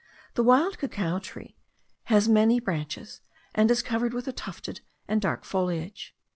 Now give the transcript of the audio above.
The wild cacao tree has many branches, and is covered with a tufted and dark foliage.